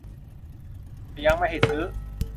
ถ้ายังไม่ให้ซื้อ